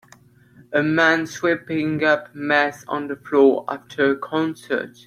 A man sweeping up mess on the floor after a concert.